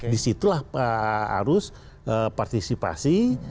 di situlah harus partisipasi